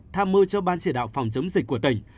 tham mưu cho ban chỉ đạo phòng chống dịch của tỉnh